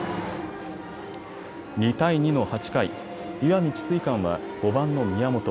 ２対２の８回、石見智翠館は、５番の宮本。